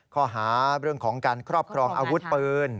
ข้อหาเรื่องของการครอบครองอาวุธปืน